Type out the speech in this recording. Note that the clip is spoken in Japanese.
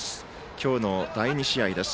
今日の第２試合です。